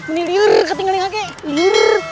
ini liurr ketinggalan aku